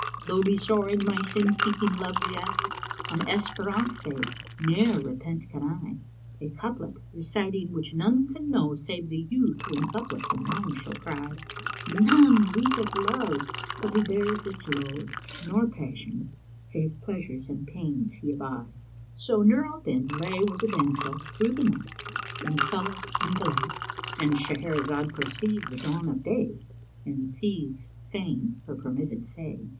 Tho' be sore my sin seeking love liesse * On esperance day ne'er repent can I; A couplet reciting which none can know * Save the youth who in couplets and rhymes shall cry, 'None weeteth love but who bears its load * Nor passion, save pleasures and pains he aby.'" So Nur al Din lay with the damsel through the night in solace and delight,—And Shahrazad perceived the dawn of day and ceased saying her permitted say.